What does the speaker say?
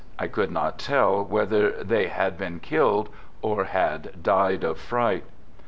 I could not tell whether they had been killed or had died of fright.